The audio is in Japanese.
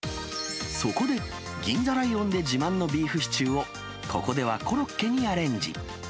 そこで、銀座ライオンで自慢のビーフシチューを、ここではコロッケにアレンジ。